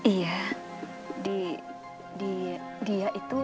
iya di dia itu